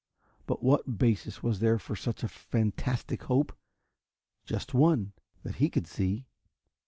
But what basis was there for such a fantastic hope? Just one, that he could see.